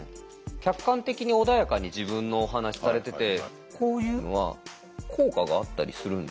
客観的に穏やかに自分のお話されててこういうのは効果があったりするんですかね？